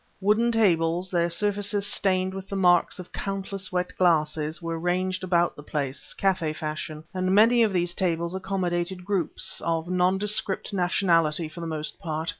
Wooden tables, their surfaces stained with the marks of countless wet glasses, were ranged about the place, café fashion; and many of these tables accommodated groups, of nondescript nationality for the most part.